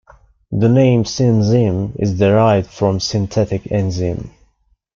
The name synzyme is derived from synthetic enzyme.